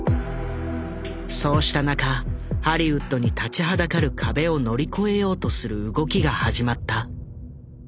そうした中ハリウッドに立ちはだかる壁を乗り越えようとする動きが始まった。